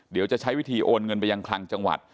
เดี๋ยวจะใช้วิธีโอนเงินไปยังคลังจังหวัด